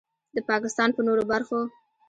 د پاکستان په نورو برخو